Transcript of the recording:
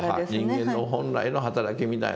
人間の本来の働きみたいなものを。